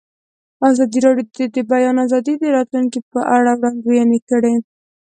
ازادي راډیو د د بیان آزادي د راتلونکې په اړه وړاندوینې کړې.